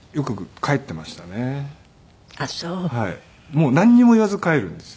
もうなんにも言わず帰るんですよ。